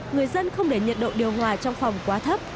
người dân không để nhiệt độ điều hòa trong phòng quá thấp